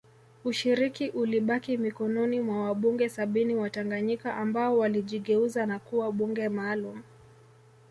Ushiriki ulibaki mikononi mwa wabunge sabini wa Tanganyika ambao walijigeuza na kuwa bunge maalum